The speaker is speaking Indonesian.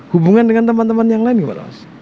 hubungan dengan teman teman yang lain gimana mas